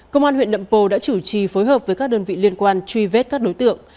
công an huyện nậm pồ đã chủ trì phối hợp với các đơn vị liên quan truy vết các đối tượng